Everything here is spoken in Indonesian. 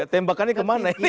tembakannya kemana ini